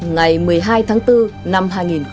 ngày một mươi hai tháng bốn năm hai nghìn hai mươi